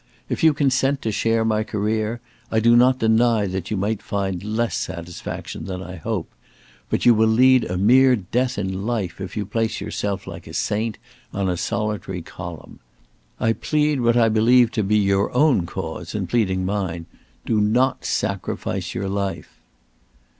If you consent to share my career, I do not deny that you may find less satisfaction than I hope, but you will lead a mere death in life if you place yourself like a saint on a solitary column. I plead what I believe to be your own cause in pleading mine. Do not sacrifice your life!"